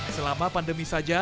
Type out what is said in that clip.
selama pandemi saja